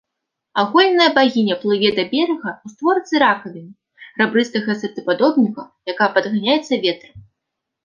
Аголеная багіня плыве да берага ў створцы ракавіны рабрыстага сэрцападобніка, якая падганяецца ветрам.